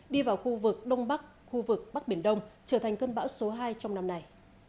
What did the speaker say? đi vào khu vực đông bắc khu vực bắc biển đông trở thành cơn bão số hai trong năm nay